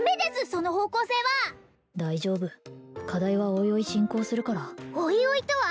その方向性は大丈夫課題はおいおい進行するからおいおいとは！？